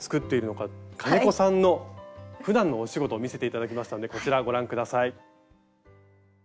金子さんのふだんのお仕事を見せて頂きましたのでこちらご覧下さい。